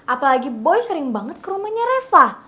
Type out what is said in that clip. apalagi boy sering banget ke rumahnya reva